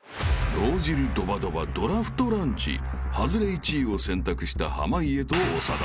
［脳汁ドバドバドラフトランチ］［ハズレ１位を選択した濱家と長田］